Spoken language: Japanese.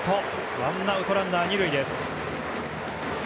ワンアウト、ランナー２塁です。